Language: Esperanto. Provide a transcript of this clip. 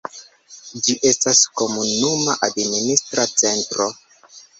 Ĝi estas komunuma administra centro.